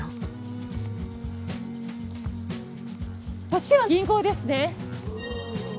こっちは銀行ですね。